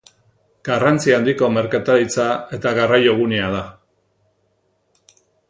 Garrantzi handiko merkataritza eta garraio gunea da.